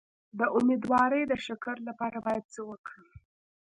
د امیدوارۍ د شکر لپاره باید څه وکړم؟